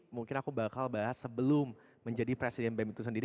mungkin aku bakal bahas sebelum menjadi presiden bem itu sendiri